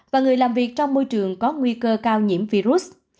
và người làm việc trong môi trường có nguy cơ cao nhiễm virus